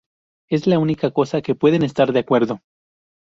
Es la única cosa que pueden estar de acuerdo.